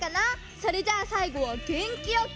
それじゃあさいごはげんきよく！